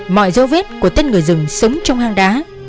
mọi dấu vết của tên người rừng sống trong hang đá